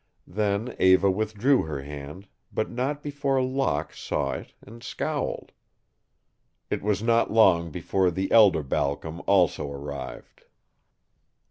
Then Eva withdrew her hand, but not before Locke saw it and scowled. It was not long before the elder Balcom also arrived.